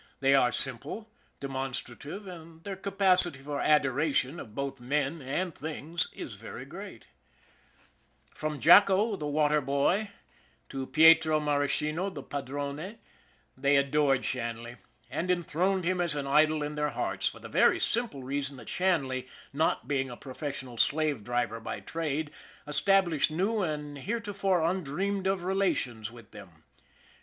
They are simple, demonstra tive, and their capacity for adoration of both men and things is very great. no ON THE IRON AT BIG CLOUD From Jacko, the water boy, to Pietro Maraschino, the padrone, they adored Shanley, and enthroned him as an idol in their hearts, for the very simple reason that Shanley, not being a professional slave driver by trade, established new and heretofore undreamed of relations with them.